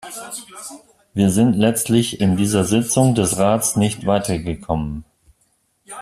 Wir sind letztlich in dieser Sitzung des Rats nicht weitergekommen.